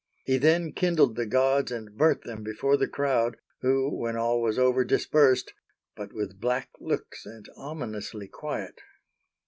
He then kindled the gods and burnt them before the crowd, who, when all was over, dispersed, but with black looks and ominously quiet.